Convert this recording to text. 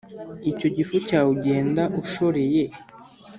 icyo gifu cyawe ugenda ushoreye